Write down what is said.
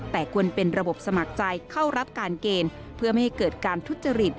แต่ควรเป็นระบบสมัครใจเข้ารับการเกณฑ์เพื่อไม่ให้เกิดการทุจริต